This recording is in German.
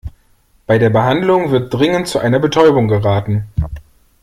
Bei der Behandlung wird dringend zu einer Betäubung geraten.